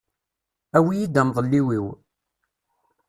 Awi-iyi-d amḍelliw-iw.